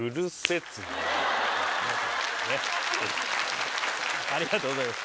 っつーのありがとうございます